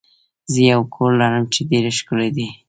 زه یو کور لرم چې ډیر ښکلی دی.